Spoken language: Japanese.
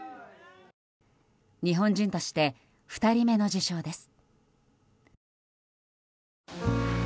日本人として２人目の受賞です。